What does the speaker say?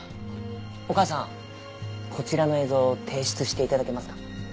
お母さんこちらの映像提出して頂けますか？